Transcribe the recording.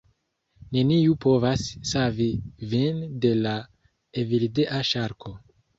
Neniu povas savi vin de la Evildea ŝarko!